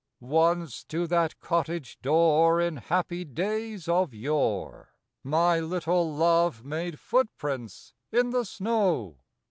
Once to that cottage door, In happy days of yore, My little love made footprints in the snow.